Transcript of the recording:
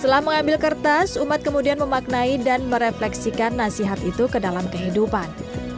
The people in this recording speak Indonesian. setelah mengambil kertas umat kemudian memaknai dan merefleksikan nasihat itu ke dalam kehidupan